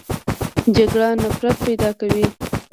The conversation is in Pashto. جګړه نفرت پیدا کوي